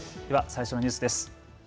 最初のニュースです。